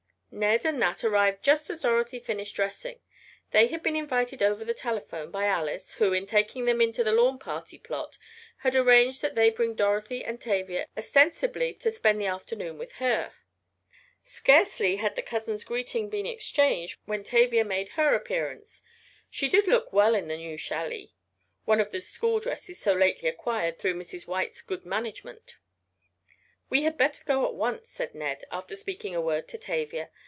Ned and Nat arrived just as Dorothy finished dressing. They had been invited over the telephone by Alice, who, in taking them into the lawn party plot, had arranged that they bring Dorothy and Tavia ostensibly to spend the afternoon with her. Scarcely had the cousins' greeting been exchanged when Tavia made her appearance. She did look well in the new challie one of the school dresses so lately acquired through Mrs. White's good management. "We had better go at once," said Ned, after speaking a word to Tavia.